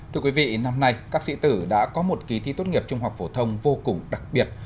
thưa quý vị năm nay các sĩ tử đã có một kỳ thi tốt nghiệp trung học phổ thông vô cùng đặc biệt